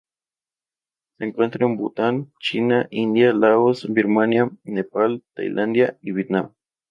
Se encuentra en Bután, China, India, Laos, Birmania, Nepal, Tailandia, y Vietnam.